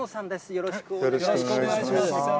よろしくお願いします。